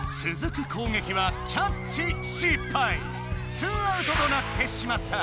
２アウトとなってしまった！